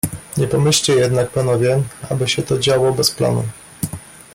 "Nie pomyślcie jednak panowie, aby się to działo bez planu."